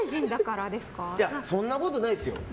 そんなことないですよ。